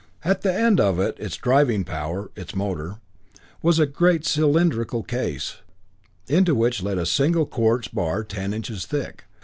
At the end of it, its driving power, its motor, was a great cylindrical case, into which led a single quartz bar ten inches thick.